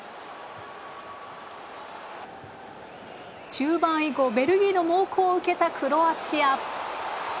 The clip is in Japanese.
中盤以降ベルギーの猛攻を受けたクロアチア。